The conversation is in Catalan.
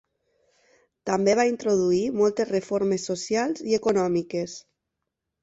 També va introduir moltes reformes socials i econòmiques.